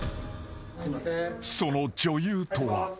［その女優とは］